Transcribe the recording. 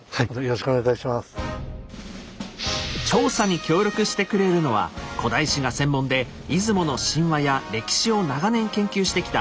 調査に協力してくれるのは古代史が専門で出雲の神話や歴史を長年研究してきた